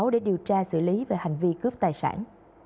để điều tra xử lý về hành vi cướp tài sản